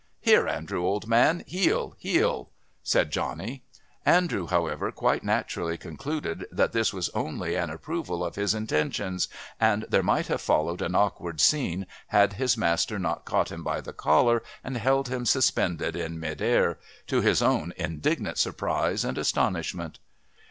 "Here, Andrew, old man. Heel! Heel!" said Johnny. Andrew, however, quite naturally concluded that this was only an approval of his intentions, and there might have followed an awkward scene had his master not caught him by the collar and held him suspended in mid air, to his own indignant surprise and astonishment.